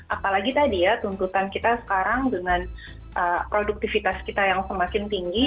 apalagi tadi ya tuntutan kita sekarang dengan produktivitas kita yang semakin tinggi